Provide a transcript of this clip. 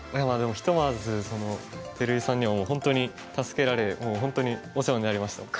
まあでもひとまず照井さんにはもう本当に助けられ本当にお世話になりました。